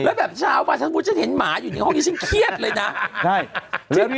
แล้วแบบเช้ามาถ้ามุติฉันเห็นหมาอยู่ในห้องนี้ฉันเครียดเลยนะ